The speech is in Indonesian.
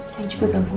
dan juga bangun